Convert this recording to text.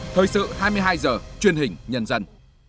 thời sự hai mươi hai h truyền hình nhân dân